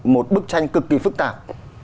một bức tranh cực kỳ phức tạp